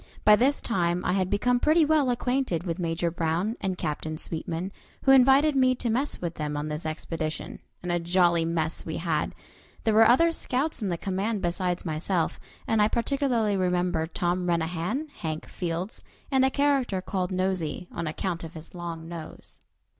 By this time I had become pretty well acquainted with Major Brown and Captain Sweetman, who invited me to mess with them on this expedition, and a jolly mess we had. There were other scouts in the command besides myself, and I particularly remember Tom Renahan, Hank Fields, and a character called "Nosey," on account of his long nose.